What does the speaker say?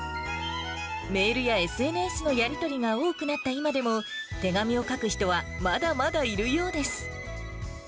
メールやＳＮＳのやり取りが多くなった今でも、手紙を書く人はまだまだいるようです。